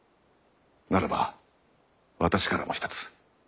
ならば私からも一つ。